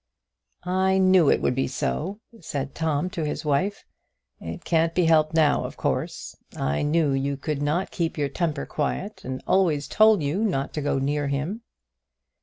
"I knew it would be so," said Tom to his wife. "It can't be helped now, of course. I knew you could not keep your temper quiet, and always told you not to go near him."